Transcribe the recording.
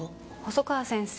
細川先生